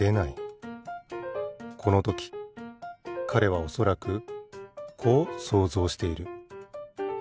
このときかれはおそらくこう想像している。